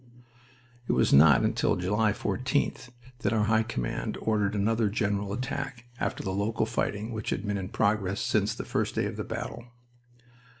It was not until July 14th that our High Command ordered another general attack after the local fighting which had been in progress since the first day of battle.